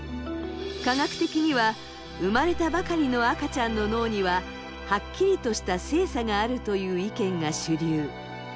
科学的には生まれたばかりの赤ちゃんの脳にははっきりとした性差があるという意見が主流。